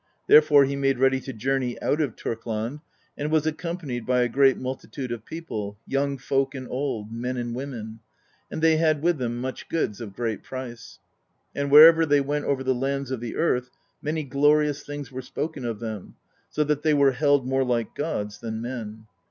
Therefore, he made ready to jour ney out of Turkland, and was accompanied by a great multitude of people, young folk and old, men and women; and they had with them much goods of great price. And wherever they went over the lands of the earth, many glori ous things were spoken of them, so that they were held more like gods than men.